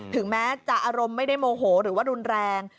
ถึงแม้จะอารมณ์ไม่ได้โมโหหรือว่ารุนแรง